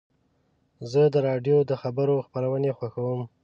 زه د راډیو د خبرو خپرونې خوښوم.